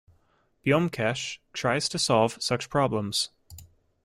Byomkesh tries to solve such problems.